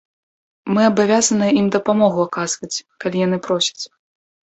Мы абавязаныя ім дапамогу аказваць, калі яны просяць.